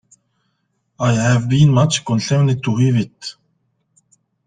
I have been much concerned to hear it.